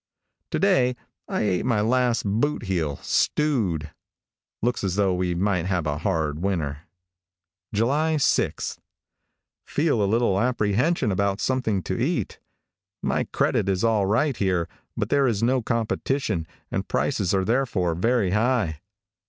To day I ate my last boot heel, stewed. Looks as though we might have a hard winter. July 6. Feel a little apprehension about something to eat. My credit is all right here, but there is no competition, and prices are therefore very high.